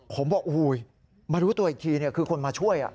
ผมบอกมารู้ตัวอีกทีคือคนมาช่วย